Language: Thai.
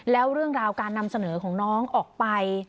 แล้วเรื่องราวการนำเสนอของน้องออกไป